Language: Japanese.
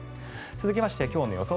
続きまして今日の予想